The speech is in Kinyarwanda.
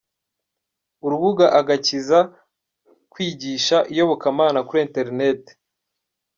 Urubuga Agakiza Kwigisha iyobokamana kuri interinete